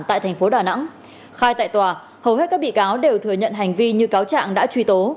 tại thành phố đà nẵng khai tại tòa hầu hết các bị cáo đều thừa nhận hành vi như cáo trạng đã truy tố